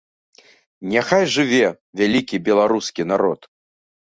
Няхай жыве вялікі беларускі народ!